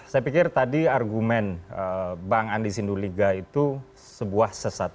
saya pikir tadi argumen bang andi sinduliga itu sebuah sesat